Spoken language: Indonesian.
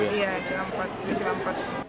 iya smp empat